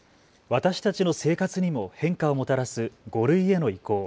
私たちの生活にも変化をもたらす５類への移行。